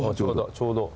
ちょうど。